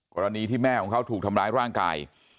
กรณีที่แม่ของเขาถูกทำร้ายร่างกาย